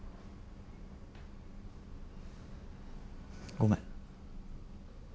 ごめん。